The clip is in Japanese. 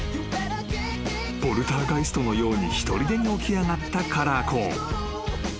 ［ポルターガイストのようにひとりでに起き上がったカラーコーン］